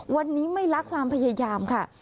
วันนี้ไม่ลักความพยายามค่ะ